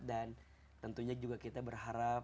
dan tentunya juga kita berharap